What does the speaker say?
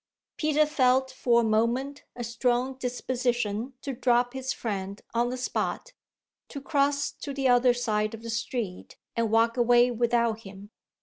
Peter felt for a moment a strong disposition to drop his friend on the spot, to cross to the other side of the street and walk away without him.